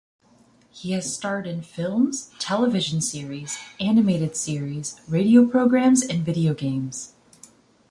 He has starred in films, television series, animated series, radio programs and video games.